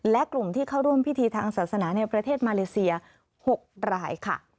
และกลุ่มที่เข้าร่วมพิธีทางศาสนาในประเทศมาเลเซีย๖รายค่ะ